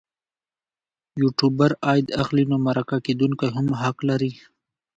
یوټوبر عاید اخلي نو مرکه کېدونکی هم حق لري.